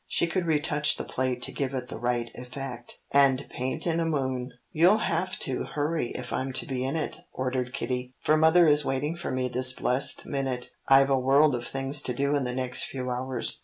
She could retouch the plate to give it the right effect, and paint in a moon. "You'll have to hurry if I'm to be in it," ordered Kitty, "for Mother is waiting for me this blessed minute. I've a world of things to do in the next few hours."